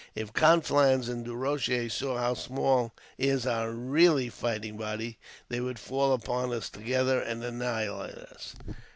If Conflans and Du Rocher saw how small is our really fighting body, they would fall upon us together, and annihilate us.